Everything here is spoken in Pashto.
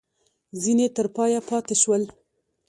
ځیني تر پایه پاته شول.